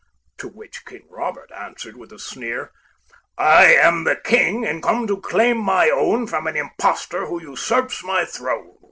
To which King Robert answered with a sneer, "I am the King, and come to claim my own From an imposter, who usurps my throne!"